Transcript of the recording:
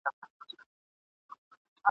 اسوېلي که دي ایستله څوک دي نه اوري آهونه ..